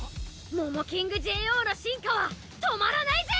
モモキングＪＯの進化は止まらないぜ！